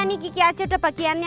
nih kiki aja udah bagiannya